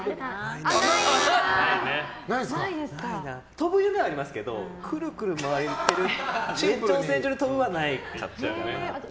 飛ぶ夢はありますけどくるくる回ってる夢は延長線上に飛ぶはなかったかな。